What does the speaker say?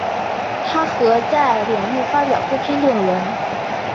她和在领域发表多篇论文。